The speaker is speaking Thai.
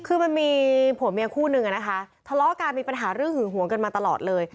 คือมันมีผัวเมียคู่นึงอะนะคะทะเลาะกันมีปัญหาเรื่องหึงหวงกันมาตลอดเลย